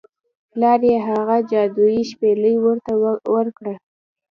پلار یې هغه جادويي شپیلۍ ورته ورکړه.